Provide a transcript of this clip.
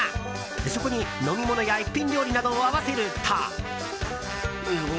そこに飲み物や一品料理などを合わせると。